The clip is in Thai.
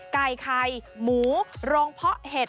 ไก่ไข่หมูโรงเพาะเห็ด